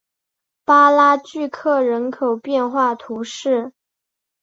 巴拉聚克人口变化图示